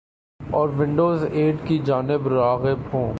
اور Windows eight کی جانب راغب ہوں ۔